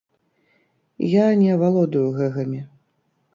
Я не валодаю гэгамі.